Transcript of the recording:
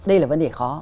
đây là vấn đề khó